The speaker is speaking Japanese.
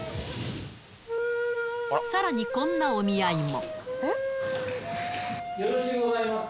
さらにこんなお見合いも。